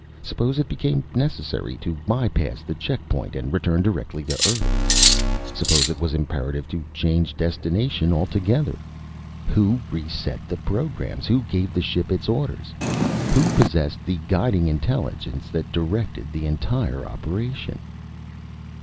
Suppose it became necessary to by pass the checkpoint and return directly to Earth? Suppose it was imperative to change destination altogether? Who reset the programs, who gave the ship its orders, who possessed the guiding intelligence that directed the entire operation?